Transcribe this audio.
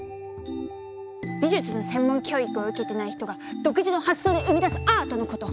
美術の専門教育を受けていない人が独自の発想で生み出すアートのこと。